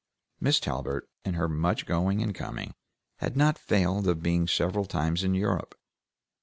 Miss Talbert, in her much going and coming, had not failed of being several times in Europe.